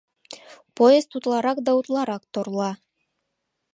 Поезд утларак да утларак торла.